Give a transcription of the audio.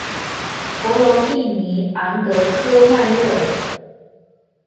弗龙蒂尼昂德科曼热。